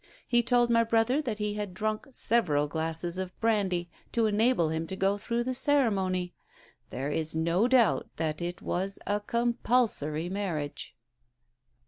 He told my brother that he had drunk several glasses of brandy to enable him to go through the ceremony. There is no doubt that it was a compulsory marriage."